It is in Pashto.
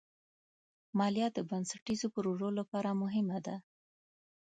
مالیه د بنسټیزو پروژو لپاره مهمه ده.